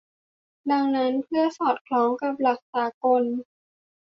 ดังนั้น เพื่อให้สอดคล้องกับหลักสากล